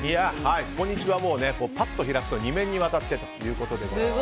スポニチはパッと開くと２面にわたってということで。